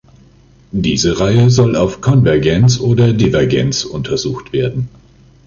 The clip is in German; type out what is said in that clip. Diese Reihe soll auf Konvergenz oder Divergenz untersucht werden.